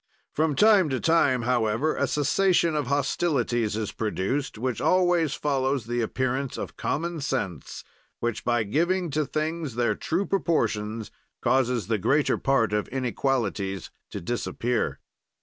"From time to time, however, a cessation of hostilities is produced; such always follows the appearance of common sense which, by giving to things their true proportions, causes the greater part of inequalities to disappear.